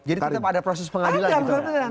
jadi tetap ada proses pengadilan